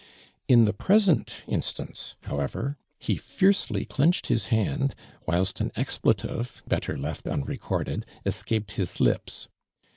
In the present in stance, however, he fiercely clenched his hand, whilst an expletive, better left unre corded, escaped his lips.